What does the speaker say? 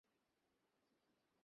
হ্যাঁ, বউয়ের ডেলিভারি কবে জানেন?